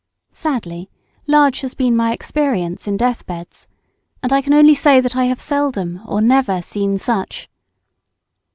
Sadly large has been my experience in death beds, and I can only say that I have seldom or never seen such.